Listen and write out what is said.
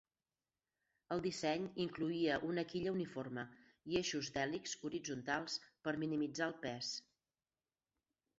El disseny incloïa una quilla uniforme i eixos d'hèlix horitzontals per minimitzar el pes.